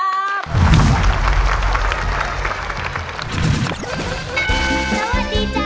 สวัสดีจ้าน้องปลื้มมาแล้วจ้า